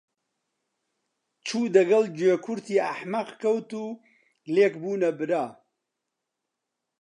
چوو دەگەڵ گوێ کورتی ئەحمەق کەوت و لێک بوونە برا